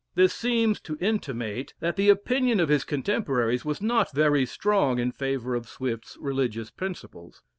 This seems to intimate that the opinion of his contemporaries was not very strong in favor of Swift's religious principles.